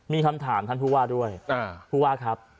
มีคำถามท่านผู้ว่าด้วยผู้ว่าครับ